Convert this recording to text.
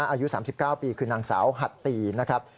อายุ๓๙ปีคือนางสาวหัตตีนะครับ